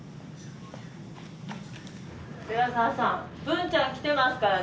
寺澤さん文ちゃん来てますからね。